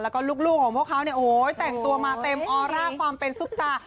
แล้วก็ลูกของพวกเขาเนี่ยโอ้โหแต่งตัวมาเต็มออร่าความเป็นซุปตา